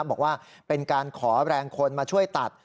บอกว่าเป็นการขอแรงคนมาช่วยตัด